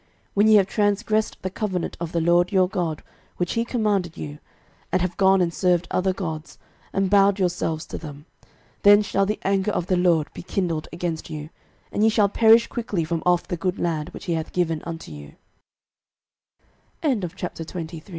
06:023:016 When ye have transgressed the covenant of the LORD your God, which he commanded you, and have gone and served other gods, and bowed yourselves to them; then shall the anger of the LORD be kindled against you, and ye shall perish quickly from off the good land which he hath given un